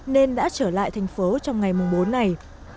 nên đã trở lại thành phố trong ngày bốn này